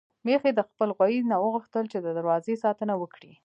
ميښې د خپل غويي نه وغوښتل چې د دروازې ساتنه وکړي.